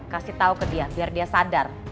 kasih tahu ke dia biar dia sadar